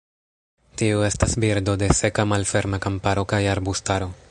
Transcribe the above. Tiu estas birdo de seka malferma kamparo kaj arbustaro.